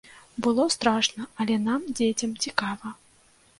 Было страшна, але нам, дзецям, цікава.